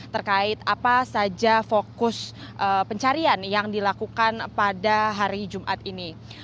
terkait apa saja fokus pencarian yang dilakukan pada hari jumat ini